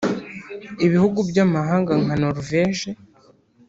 Ibihugu by’amahanga nka Norvège